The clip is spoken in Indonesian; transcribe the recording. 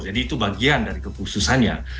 jadi itu bagian dari kekhususannya